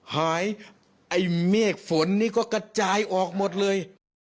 หายไอ้เมฆฝนนี่ก็กระจายออกหมดเลย